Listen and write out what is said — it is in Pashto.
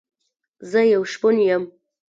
زه يو شپون يم